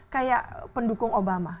kayak pendukung obama